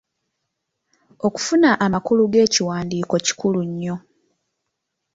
Okufuna amakulu g’ekiwandiiko kikulu nnyo.